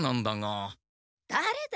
だれだ？